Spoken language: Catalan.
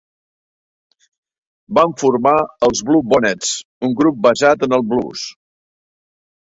Van formar els BlueBonnets, un grup basat en el blues.